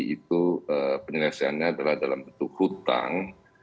itu penyelesaiannya adalah dalam bentuk hutang